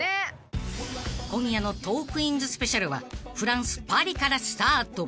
［今夜の『トークィーンズ』スペシャルはフランスパリからスタート］